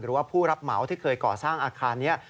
หรือว่าผู้รับเหมาที่เคยก่อสร้างอาคารเนี่ย